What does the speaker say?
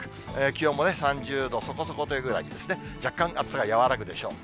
気温もね、３０度そこそこというぐらいに若干、暑さが和らぐでしょう。